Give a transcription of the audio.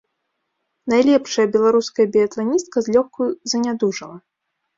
Найлепшая беларуская біятланістка злёгку занядужала.